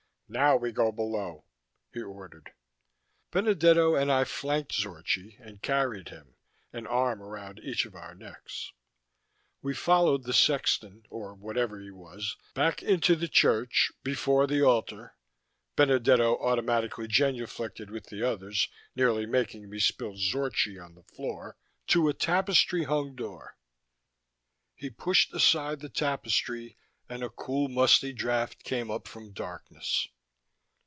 "Now we go below," he ordered. Benedetto and I flanked Zorchi and carried him, an arm around each of our necks. We followed the sexton, or whatever he was, back into the church, before the altar Benedetto automatically genuflected with the others, nearly making me spill Zorchi onto the floor to a tapestry hung door. He pushed aside the tapestry, and a cool, musty draft came up from darkness.